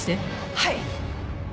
はい！